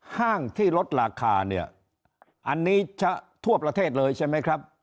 ห้างที่ลดราคาเนี่ยอันนี้จะทั่วประเทศเลยใช่ไหมครับ